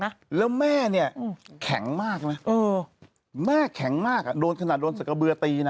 อย่าพูดแบบนั้นนะทำไมนะครับ